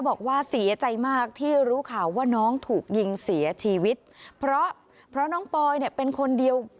บอกว่าเสียใจมากที่รู้ข่าวว่าน้องถูกยิงเสียชีวิตเพราะเพราะน้องปอยเนี่ยเป็นคนเดียว